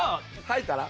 履いたら？